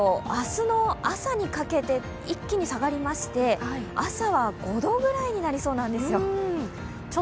明日の朝にかけて一気に下がりまして、朝は５度くらいになりそうなんですよ。